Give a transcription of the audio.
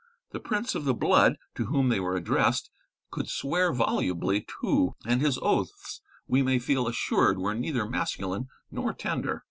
The prince of the blood to whom they were addressed could swear volubly too, and his oaths we may feel assured were neither masculine nor tender.